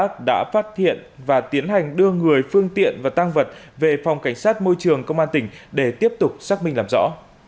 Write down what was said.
công an đã phát hiện và tiến hành đưa người phương tiện và tăng vật về phòng cảnh sát môi trường công an tỉnh để tiếp tục xác minh làm rõ